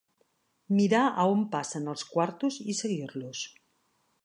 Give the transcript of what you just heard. Mirar a on passen els quartos, i seguir-los